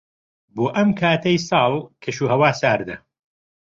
بۆ ئەم کاتەی ساڵ، کەشوهەوا ساردە.